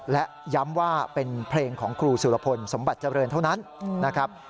และย้ำว่าเป็นเพลงของครูสุรพลสมบัติเจริญเท่านั้นนะครับ